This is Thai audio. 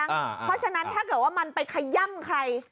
เพราะฉะนั้นถ้าเกิดว่ามันไปขย่ำใคร